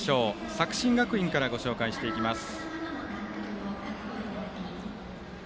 作新学院からご紹介していきます。